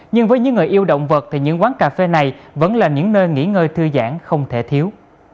nhưng với những người yêu động vật thì những quán cà phê này vẫn là những nơi nghỉ ngơi thư giãn không thể thiếu